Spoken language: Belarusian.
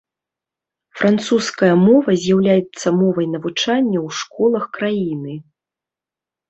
Французская мова з'яўляецца мовай навучання ў школах краіны.